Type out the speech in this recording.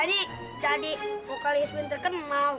cerita ceritanya tadi vokalismen terkenal